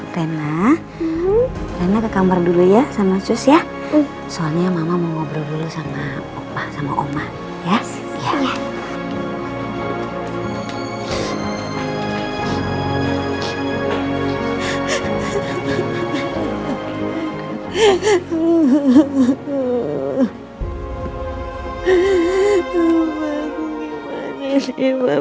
rena rena kekamar dulu ya sama sus ya soalnya mama mau ngobrol dulu sama opah sama oma ya